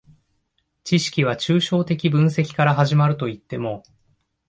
知識は抽象的分析から始まるといっても、